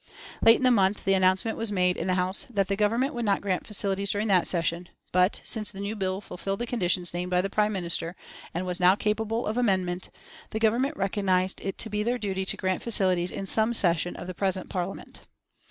Late in the month the announcement was made in the House that the Government would not grant facilities during that session, but, since the new bill fulfilled the conditions named by the Prime Minister, and was now capable of amendment, the Government recognised it to be their duty to grant facilities in some session of the present Parliament.